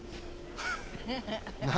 ハハハハ！